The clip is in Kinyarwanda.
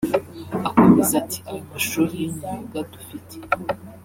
Akomeza ati “Ayo mashuri y’imyuga dufite